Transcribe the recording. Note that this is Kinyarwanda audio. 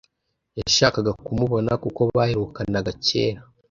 yashakaga kumubona, kuko baherukanaga cyera